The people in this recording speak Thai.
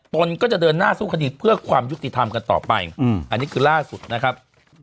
ตนก็จะเดินหน้าสู้คดีเพื่อความยุติธรรมกันต่อไปอันนี้คือล่าสุดนะครับ